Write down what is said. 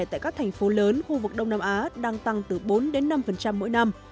tại các thành phố lớn khu vực đông nam á đang tăng từ bốn đến năm mỗi năm